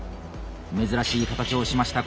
珍しい形をしました